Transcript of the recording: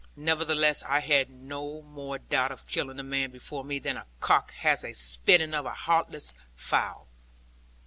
Nevertheless, I had no more doubt of killing the man before me than a cook has of spitting a headless fowl.